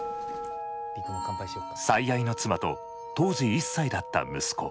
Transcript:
最愛の妻と当時１歳だった息子。